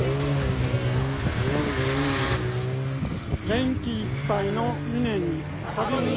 元気いっぱいの美祢に。